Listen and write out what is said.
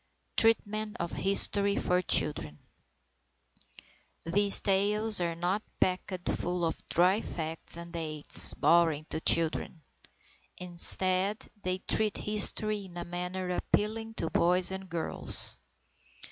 TREATMENT OF HISTORY FOR CHILDREN These tales are not packed full of dry facts and dates, boring to children. Instead, they treat history in a manner appealing to boys and girls.